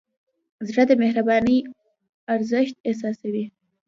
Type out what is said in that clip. زړه د مهربانۍ ارزښت احساسوي.